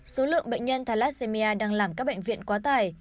số lượng bệnh nhân thalassemia đang làm các bệnh viện quá tải